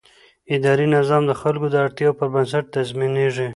اداري نظام د خلکو د اړتیاوو پر بنسټ تنظیمېږي.